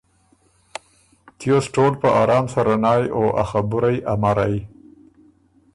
تیوس ټول په ارام سره نایٛ او ا خبُرئ امرئ۔